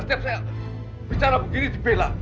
saya bicara begini dibela